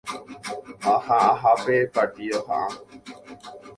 Aha'ãhápe partido ha'a.